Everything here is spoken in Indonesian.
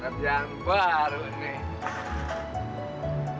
satu jam baru nek